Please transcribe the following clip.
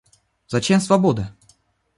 Зачем свобода?